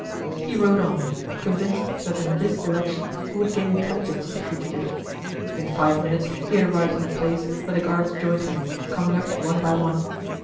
He rode on, convinced that in this direction he would gain intelligence of the fugitive. In five minutes he had arrived at the place, where the guards joined him, coming up one by one.